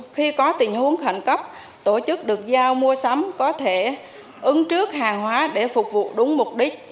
khi có tình huống khẩn cấp tổ chức được giao mua sắm có thể ứng trước hàng hóa để phục vụ đúng mục đích